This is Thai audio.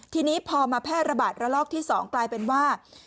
ทีนี้พอมาแพร่ระบาดระลอกที่๒กลายเป็นว่า